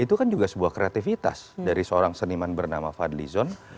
itu kan juga sebuah kreativitas dari seorang seniman bernama fadli zon